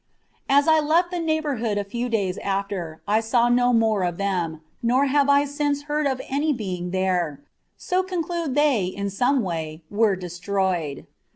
As I left the neighbourhood a few days after I saw no more of them, nor have I since heard of any being there; so conclude they in some way were destroyed.